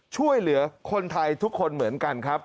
ช่วยเหลือคนไทยทุกคนเหมือนกันครับ